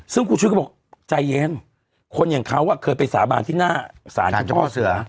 ซึ่งคุณชุวิตก็บอกใจเย็นคนอย่างเขาเคยไปสาบานที่หน้าศาลเจ้าพ่อเสือ